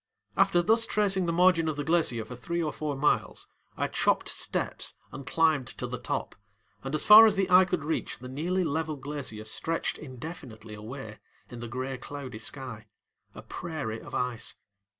After thus tracing the margin of the glacier for three or four miles, I chopped steps and climbed to the top, and as far as the eye could reach, the nearly level glacier stretched indefinitely away in the gray cloudy sky, a prairie of ice.